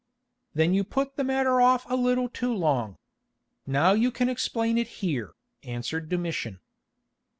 "Then you put the matter off a little too long. Now you can explain it here," answered Domitian.